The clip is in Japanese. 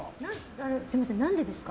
すみません、何でですか？